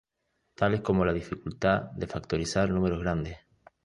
tales como la dificultad de factorizar números grandes